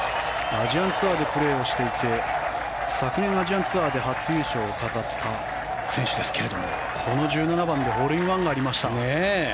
アジアンツアーでプレーをしていて昨年アジアンツアーで初優勝を飾った選手ですがこの１７番でホールインワンがありました。